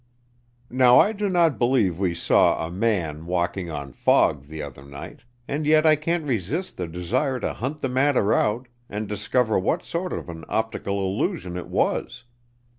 Now I do not believe we saw a man walking on fog the other night, and yet I can't resist the desire to hunt the matter out and discover what sort of an optical illusion it was.